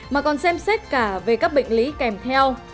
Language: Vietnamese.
mà còn xem xét cả về các bệnh lý kèm theo